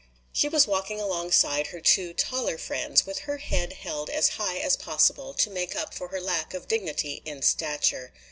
She was walking alongside her two taller friends with her head held as high as possible to make up for her lack of dignity in stature.